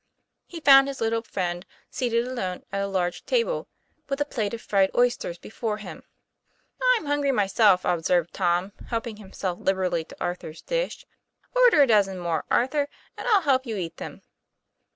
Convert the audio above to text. He found his little friend seated alone at a large table with a plate of fried oysters before him. :< I'm hungry myself," observed Tom, helping him self liberally to Arthur's dish. " Order a dozen more, Arthur, and I'll help you eat them."